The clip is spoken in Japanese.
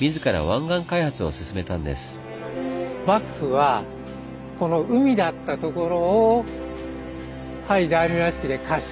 幕府はこの海だったところを大名屋敷で貸し与えるよと。